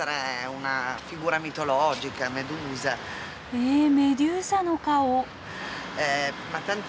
へえメデューサの顔。